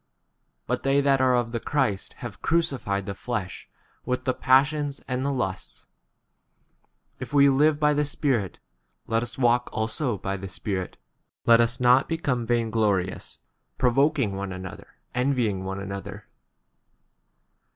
But they that are of the Christ have crucified the flesh with the passions and the lusts. 25 If we live byi the Spirit, let us 25 walk also by the Spirit. Let us not become vain glorious, pro voking one another, envying one another.